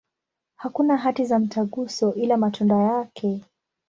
Hakuna hati za mtaguso, ila matunda yake.